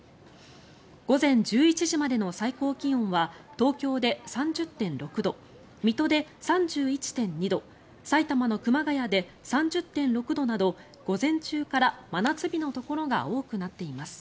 午前１１時までの最高気温は東京で３０．６度水戸で３１．２度埼玉の熊谷で３０．６度など午前中から真夏日のところが多くなっています。